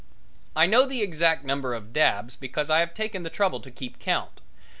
I know the exact number of dabs because I have taken the trouble to keep count.